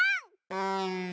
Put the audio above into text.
うん。